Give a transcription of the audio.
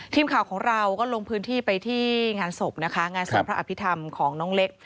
ทีมข่าวของเราก็ลงพื้นที่ไปที่งานศพนะคะงานสวดพระอภิษฐรรมของน้องเล็ก